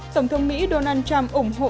tổng thống mỹ donald trump ủng hộ